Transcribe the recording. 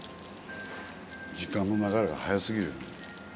時間の流れが早過ぎる。